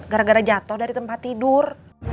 gara gara jatuh dari tempat tidur